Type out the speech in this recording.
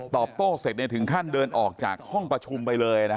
โต้เสร็จถึงขั้นเดินออกจากห้องประชุมไปเลย